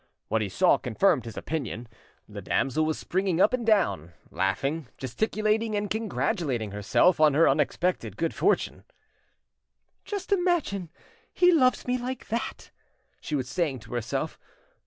What he saw confirmed his opinion. The damsel was springing up and down, laughing, gesticulating, and congratulating herself on her unexpected good fortune. "Just imagine! He loves me like that!" she was saying to herself.